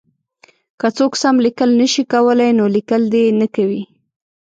که څوک سم لیکل نه شي کولای نو لیکل دې نه کوي.